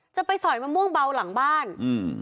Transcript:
สอยมะม่วงเบาหลังบ้านอืม